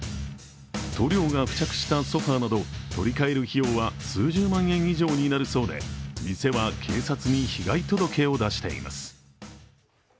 塗料が付着したソファーなど取り替える費用は数十万円に以上になるそうで店は警察に被害届を出しています。